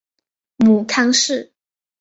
母康氏。